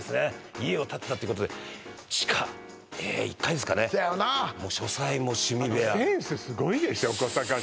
家を建てたってことで地下ええ１階ですかねせやろなもう書斎も趣味部屋すごいんですよ